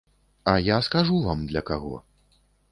А я скажу вам, для каго.